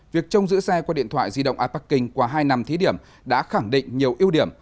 việc trông giữ xe qua điện thoại di động iparking qua hai năm thí điểm đã khẳng định nhiều ưu điểm